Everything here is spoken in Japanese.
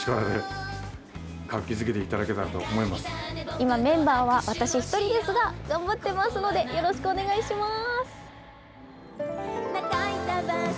今メンバーは私１人ですが頑張ってますのでよろしくお願いします。